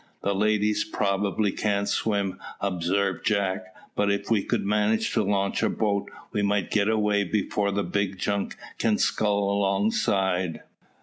"The ladies, probably, can't swim," observed Jack; "but if we could manage to launch a boat, we might get away before the big junk can scull alongside."